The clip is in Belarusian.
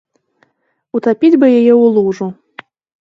Утапіць бы яе ў лужу.